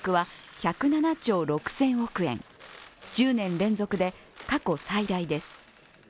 １０年連続で過去最大です。